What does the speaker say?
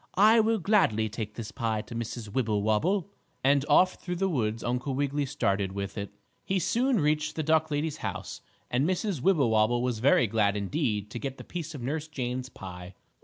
I will gladly take this pie to Mrs. Wibblewobble," and off through the woods Uncle Wiggily started with it. He soon reached the duck lady's house, and Mrs. Wibblewobble was very glad indeed to get the piece of Nurse Jane's pie.